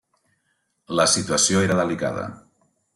La situació era delicada.